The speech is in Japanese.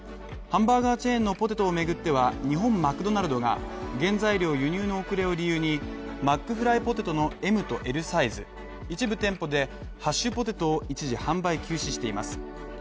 ハンバーガーチェーンのポテトをめぐっては、日本マクドナルドが原材料輸入の遅れを理由にマックフライポテトのＭとＬサイズ、一部店舗でハッシュポテトを一時販売休止しています。